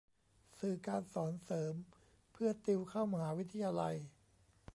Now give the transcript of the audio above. สื่อการสอนเสริมเพื่อติวเข้ามหาวิทยาลัย